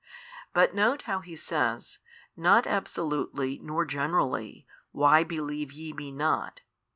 But note how He says, not absolutely nor generally, why believe ye Me not?